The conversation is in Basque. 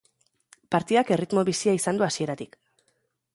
Partidak erritmo bizia izan du hasieratik.